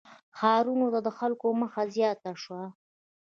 • ښارونو ته د خلکو مخه زیاته شوه.